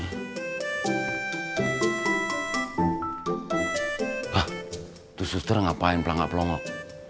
hah tuh suster ngapain pelangga pelongok